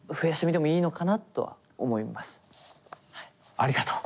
ありがとう。